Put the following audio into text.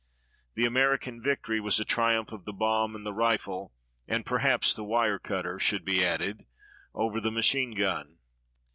The American victory was a triumph of the bomb and the rifle, and perhaps the wire cutter should be added, over the machine gun.